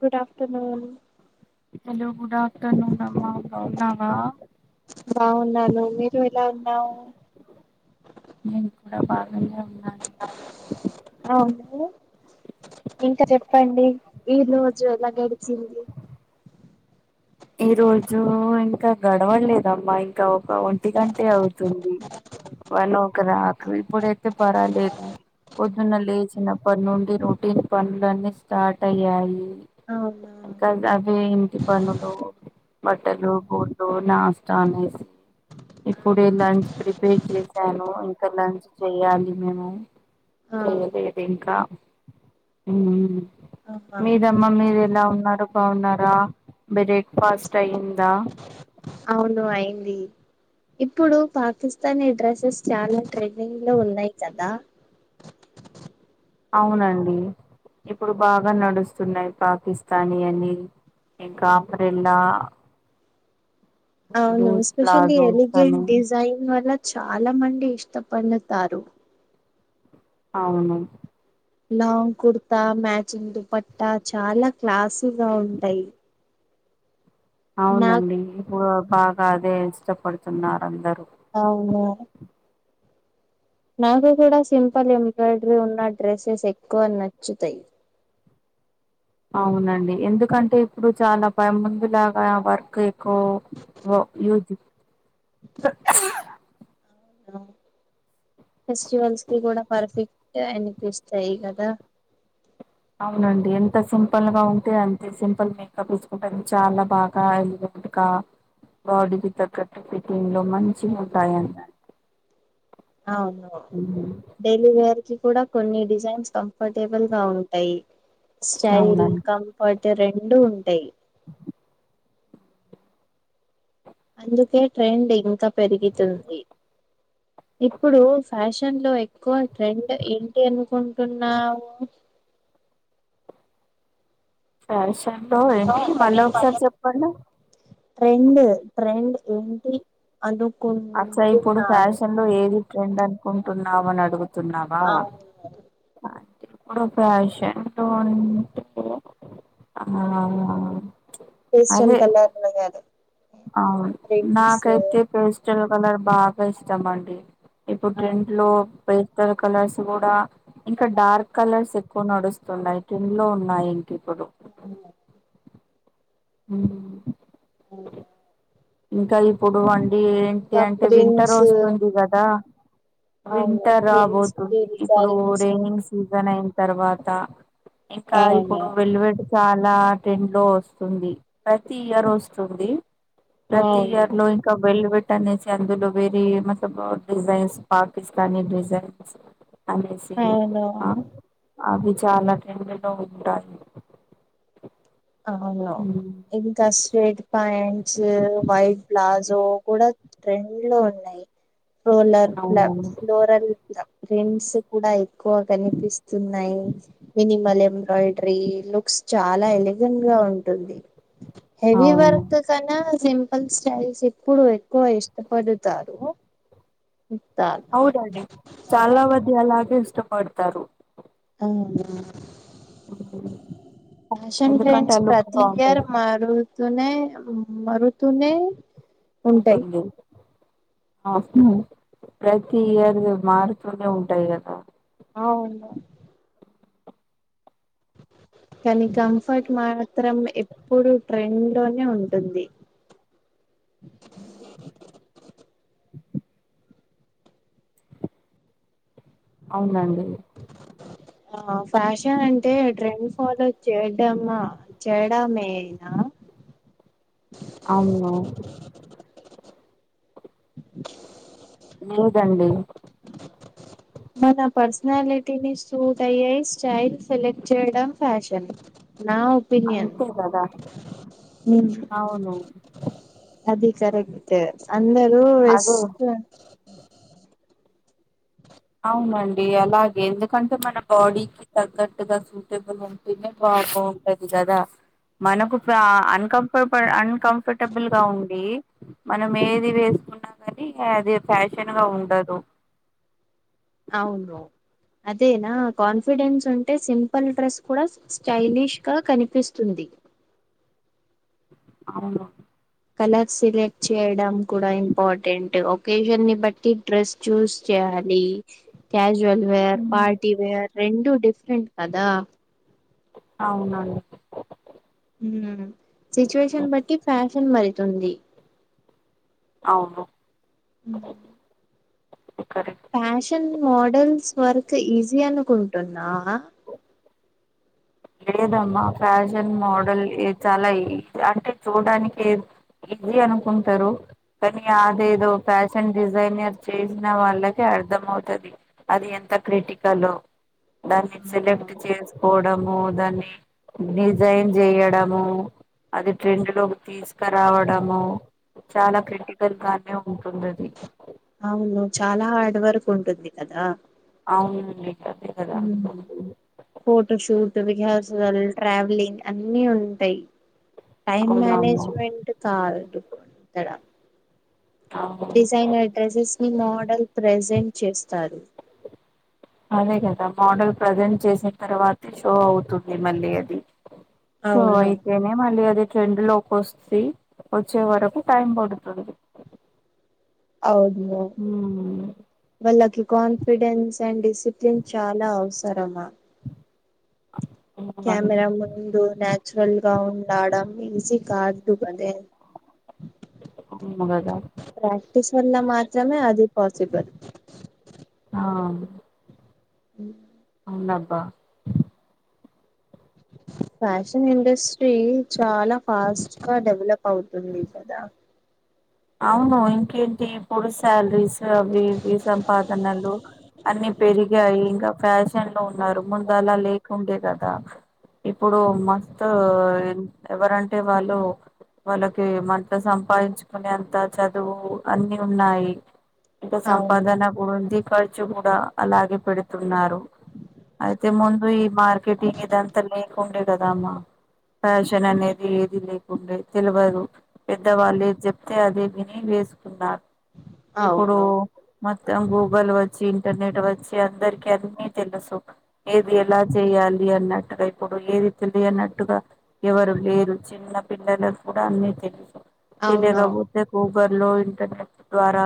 Good afternoon hello good afternoon అమ్మా బాగున్నావా బాగున్నాను మీరు ఎలా ఉన్నావు నేను కూడా బాగానే ఉన్నా అ నువ్వు ఇంకా చెప్పండి ఈ రోజు ఎలా గడిచింది ఈ రోజు ఇంకా గడవ లేదమ్మా ఇంకా ఒక ఒంటి గంటే అవుతుంది వన్ ఒక రాకు ఇప్పుడైతే పర్వాలేదు వ పొద్దున లేచినప్పటి నుండి రొటీన్ పనులన్నీ స్టార్ట్ అయ్యాయి అవునా కా అవి ఎంటి పను అంట్లు బట్టలు గుడు నాష్ట నైయి ఇప్పుడే లంచ్ ప్రిపేర్ చేసాను ఇంకా లంచ్ చెయాలి మేము ఆ పోలేదు ఇంకా ఉమ్ ఉమ్ ఆహా మీదమ్మ మీరు ఎలా ఉన్నారు బాగున్నారా బ్రేక్ ఫాస్ట్ అయిందా అవును అయింది ఇప్పుడు పాకిస్తాన్ ఈ డ్రెస్సెస్ చాల ట్రెండింగ్ లో ఉన్నాయి కదా అవునండి ఇప్పుడు బాగ నడుస్తున్నాయి పాకిస్తానీ అని ఇంక ఆ పరెండా అవును ఎస్పెషియల్లీ ప్లాజోస్ అని ఎలిగెంట్ డిజైన్ వల్ల చాలా మంది ఇష్టపండుతారు అవున లాంగ్ కుర్తా మ్యాచింగ్ దుపట్టా చాల క్లాసుగ ఉంటాయి నాకు అవునండి ఇప్పుడు బాగా అదే ఇష్టపడుతున్నారు అందరు అవును నాకు కూడా సింపుల్ ఎంబ్రాయిడరీ ఉన్న డ్రెస్సెస్ ఎక్కువ నచ్చుతాయి అవునండి ఎందుకంటే ఇప్పుడు చాలా పై ముందు లాగా వర్క్ ఎక్ కు యూజ్ అవునవును ఫెస్టివల్స్ కి కూడ పర్ఫెక్ట్ అనిపిస్తాయి కదా అవునండి ఎంత సింపుల్ గా ఉంటే అంతే సింపుల్ మేకప్ వేసుకుంటేది చాలా బాగా ఇకా బాడీకి తగ్గట్టు ఫిటింగ్ లో మంచిగ ఉంటాయన్ట అవును డైలీ వేర్ కి కూడా కొన్ని డిజైన్స్ కంఫర్టబుల్గా ఉంటాయి స్టైల్ అవునండి కంఫర్ట్ రెండు ఉంటాయి అందుకే ట్రెండ్ ఇంకా పెరిగుతుంది ఇప్పుడు ఫ్యాషన్లో ఎక్కువ ట్రెండ్ ఏంటి అనుకుంటున్నావు పర్ష బా ఏంటి మళ్ళ ఒకసారి చెప్పండి ట్రెండ్ ట్రెండ్ ఏంటి అనుకుంటున్నారు నువ్ ఏది ట్రెండ్ అనుకుంటున్నావని అడుగుతున్నావా అవును ఇప్పుడ ఫ్యాషన్లో అంటె ఆ హెయిస్టెల్ అదే కలర్లో కాదు అవును ప్రింట్స్ నాకైతే పేస్టల్ కలర్ బాగా ఇష్టం అండి ఇప్పుడు ట్రెండ్ లో పేస్టెల్ కలర్స్ కూడా ఇంకా డార్క్ కలర్స్ ఎక్కువ నడుస్తున్నాయి క కింలో ఉన్నాయి ఇంక ఇప్పుడు ఉమ్ ఉ అవు ఇంక ఇప్పుడు అండి ఏంటి ఇంకా అంటే వింటర్ ప్రింట్స్ వస్తుంది కదా అవును వింటర్ ప్రింట్స్ రాబోతుంది ఇప్పుడు డిజైన్స్ రైనింగ్ స్ సీజన్ అయిన్ తర్వాత ఇంకా అవును ఇప్పుడు వెల్లువడి చాలా టెండ్ లో వస్తుంది ప్రతి ఇయర్ వస్తుంది ప్రతి అవును ఇయర్ లో ఇంక వెళ్ళట్ ట్టనేసి అందులో వెరీ మత డిిజైన్స్ పాకిస్త డిజైన్స్ అనేసి అవును ఆ అవును అవి చాలా ట్రెండ్ లో ఉంటాయి అవును ఉమ్, ఇంక స్ట్రేట్ ప్యాంట్స్ వైట్ ప్లాజో కూడా ట్రెండ్ లో ఉన్నాయి ఫోలర్ పలా అవునవును ఫలోరల్ ట్రెండ్స్ కూడా ఎక్కువ కనిపిస్తున్నాయి మెనిిమల్ ఎంబ్రాడ్రిీ లుక్స్ చాలా ఎలె ఉంటుంది హెవీ అవును వర్క్ సనా సింపుల్ స్టైల్స్ ఇప్పుడు ఎక్కువ ఇష్టపడతారు ఇత్తార్ అవునండి చాలా మంది అలాగే ఇష్టపడతారు అ ఉమ్, ఫ్యాషన్ ఎందుకంటే ట్రెండ్స్ ఆ లుక్ ప్రతి ఇయర్ బాగుంటది మరు తునే మరుతుూనే ఉంటుంది ఆ హు ప్రతి ఇయర్ది మారుతూనే ఉంటాయి కదా అవును కానీ కంఫర్ట్ మాత్రం ఎప్పుడు ట్రెండ్ లోనే ఉంటుంది అవునండి ఆ ఫ్యాషన్ అంటే ట్రెండ్ ఫాలో చేయడమా చేయడమేనా అవును ఏంటండీ మన పర్సనాలిటీని సూట్ అయ్యే స్టైల్ సెలెక్ట్ చేయడం ఫ్యాషన్ నా అంతే ఒపీనియన్ దా అవును అదికరగతే అందరు ఎస్ అదే ట్ అవునండి అలాగే ఎందుకంటే మన బాడీకి తగ్గట్టుగా బపి బాపు పది కద [unintelligible] మనకు ఫ అన్కంఫర్ట అన్కంఫర్టబుల్ గా ఉంది మనం ఏది వేసుకున్నా కానీ అది ఫ్యాషన్ గా ఉండదు అవును అదేనా కాన్ఫిడెన్స్ ఉంటే సింపుల్ డ్రెస్ కూడా స్టై స్టైలిష్ గా కనిపిస్తుంది అవును కలర్స్ సెలెక్ట్ చేయడం కూడా ఇంపార్టెంట్ ఒకేషన్ని బట్టి డ్రెస్ షూస్ చేయాలి క్యాజువల్ వేర్ ఉ పార్టీవేర్ రెండు డిఫరెంట్ కదా అవునండి ఉ సిచువేషన్ బట్టి ఫ్యాషన్ మరితుంది అవును ఉ correct fashion models work easy అనుకుంటుందా లేదమ్మా ఫ్యాషన్ మోడల్ చాలా ఈ అంటే చూడడానికి ఈజీ అనుకుంటారు కానీ అదేదో ఫ్యాషన్ డిజైనర్ చేసిన వాళ్ళకే అర్థమవుతది అది ఎంత క్రిటికలో దాన్ని సెలెక్ట్ చేసుకోవడము దాన్ని డిజైన్ చేయడము అది ట్రెండులోకి తీసుకురావడము చాలా క్రిటికల్ గానే ఉంటుంది అది అవును చాలా హార్డ్ వర్క్ ఉంటుంది కదా అవునండి అదే కదా ఉ హు ఫోటో షూట్ విహసాలు ట్రావెలింగ్ అన్నీ ఉంటాయి టైమ్ అవునవును మేనేజ్మెంట్ కాదు ఇక్కడా ఆవును డిజైనర్ డ్రెస్సెస్ ని మోడల్ ప్రజెంట్ చేస్తారు అదే కదా మోడల్ ప్రజెంట్ చేసిన తర్వాతే షో అవుతుంది మళ్ళీ అది షో అవును అయితేనే మళ్ళీ అది ట్రెండ్ లోకి వస్తే వచ్చే వరకు టైం పడుతుంది అవును ఉ వాళ్ళకి కాన్ఫిడెన్స్ అండ్ డిసిప్లిన్ చాలా అవసరమా అవునండి క్యమెరా ముందు నే చురల్ గా ల్గావున్ ఉండడమ్ ఈజీ కాదు అదే అవును కదా ప్రాక్టీస్ వల్ల మాత్రమే అది పాసిబల్ ఆ ఉ [unintelligible] [inaudible] అవునాబ్బా [unintelligible] [inaudible] ఫ్యాషన్ ఇండస్ట్రీ చాలా ఫాస్ట్ గా డెవలప్ అవుతుంది కదా అవును ఇంకేంటి ఇప్పుడు శాలరీస్ అవిఇవి సంపాదనలు అన్ని పెరిగాయి ఇంకా ఫ్యాషన్ లో ఉన్నారు ముందు అలా లేకుండే కదా ఇప్పుడు మస్త్ ఎవరంటే వాళ్ళు వాళ్ళకి మంట సంపాదించు కునేంత చదువు అన్ని ఉన్నాయి ఇంకా అవును సంపాదన ఉంది ఖర్చు కూడా అలాగే పెడుతున్నారు అయితే ముందు ఈ మార్కెటింగ్ ఇదంతా లేకు ఉండే కదమ్మా ఫ్యాషన్ అనేది ఏది లేకుండే తెల్వదు పెద్దవాళ్ళు ఏంది చెప్ తే అదే విని వేసుకున్నారు ఇప్పుడు అవును మొత్తం గూగుల్ వచ్చి ఇంటర్నెట్ వచ్చి అందరికి అన్నీ తెలుసు ఏది ఎలా చేయాలి అన్నట్టుగా ఇప్పుడు ఏది తెలియనట్టుగా ఎవరు లేరు చిన్న పిల్లలకు కూడా అన్నీ తెలిసు అవును లేకపోతే గూగుల్ లో ఇంటర్నెట్ ద్వారా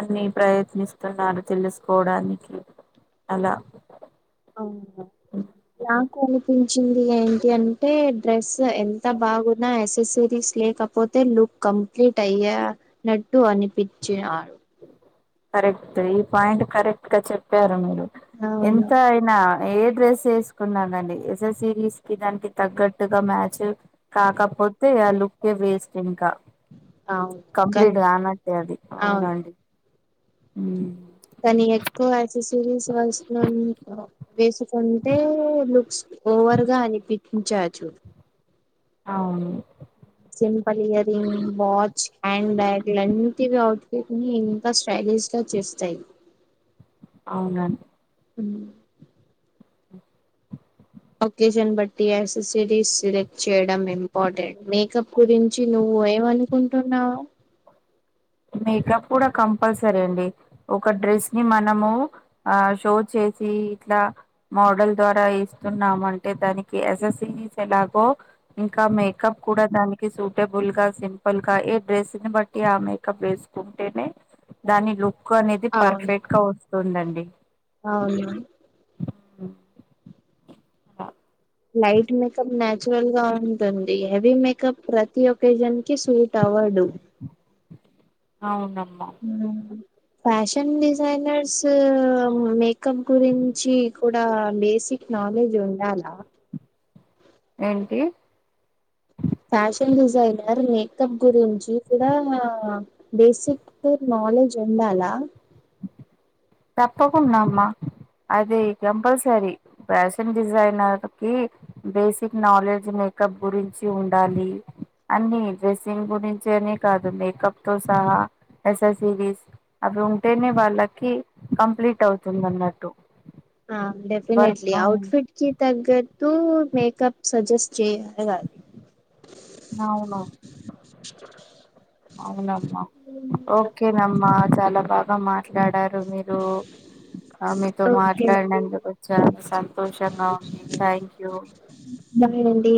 అన్ని ప్రయత్నిస్తున్నారు తెలుసుకోవడానికి అలా మ్ నాకు అనిపించింది ఏంటి అంటే డ్రెస్ ఎంత బాగున్నా ఎసెసరీస్ లేక పోతే లుక్ కంప్లీట్ అయ్యానట్టు అనిపించినాడు కరెక్ట్ ఈ పాయింట్ కరెక్ట్ గా చెప్పారు మీరు అవును ఎంత నా ఏ డ్రెస్ వేసుకున్నానండి ఎస్ఎస్ సిరీస్ కి దానికి తగ్గట్టుగా మ్యాచ్ కాకపోతే ఆ లుక్కే వేస్ట్ ఇంకా అవును కానీ కంప్లీట్ గానట్టె అది అవును అవునండి కానీ ఎక్కువ ఎసెసరీస్ వయసు లో వేసుకుంటే లుక్స్ ఓవర్ గా అనిపించచ్చు అవును simple earring watch hand bag ఇలాంటివి అవుట్ ఫిట్ ని స్టైలిష్ గా చేస్తాయి అవునా ఉ ఒకేషన్ బట్టి ఎసెసరీస్ సెలెక్ట్ చేయడం ఇంపార్టెంట్ మేకప్ గురించి నువ్వు ఏమని కుంటున్నావు. మేకప్ కూడా కంపల్సరీ అండి. ఒక డ్రెస్ ని మనము ఆ షో చేసి ఇట్లా మోడల్ ద్వారా ఇస్తున్నామంటే దానికి ఎస్ఎస్సిరీస్ ఎలాగో ఇంకా మేకప్ కూడా దానికి సూటబుల్గా సింపుల్గా ఏ డ్రెస్ ని బట్టి ఆ మే మేకప్ వేసుకుంటేనే దాని లుక్ అనేది పర్ఫెక్ట్ గా వస్తుందండి. అవునా అ లైట్ మేకప్ నా చురల్గా ఉంటుంది హెవీ మేకప్ ప్రతి ఒకేషన్ కి సూట్ అవ్వదు. అవునమ్మా. మ్మ్. ఫ్యాషన్ డిజైనర్స్ మేకప్ గురించి కూడా బేసిక్ నాలెడ్జ్ ఉండాలా? ఏంటి? ఫ్యాషన్ డిజైనర్ మేకప్ గురించి కూడా బేసిక్ నాలెడ్జ్ ఉండాలా? తప్పకుండామ్మా అది కంపల్సరీ ఫ్యాషన్ డిజైనర్ కి బేసిక్ నాలెడ్జ్ మేకప్ గురించి ఉండాలి. అన్ని డ్రెస్సింగ్ గురించనే కాదు మేకప్ తో సహా ఎస్ససిరీస్ అవి ఉంటేనే వాళ్ళకి కంప్లీట్ అవుతుంది అన్నట్టు. ఆ డెఫినెట్లీ వర్క్ ఔట్ఫిట్కి తగ్గట్టు మేకప్ సజెస్ట్ చేయగలగాలి. అవును అవునమ్మా ఓకేనమ్మా చాలా బాగా మాట్లాడారు మీరు. ఆ మీతో ఓకే అండి మాట్లాడినందుకు చాలా సంతోషంగా ఉంది థ్యాంక్యూ. బాయ్ అండి.